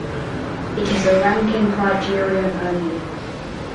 It is a ranking criterion only.